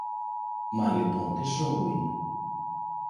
Μα λοιπόν τι ζώο είναι;